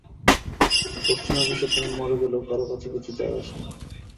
পশ্চিমা বিশ্বে তুমি মরে গেলেও কারো কিছু যায় আসে না।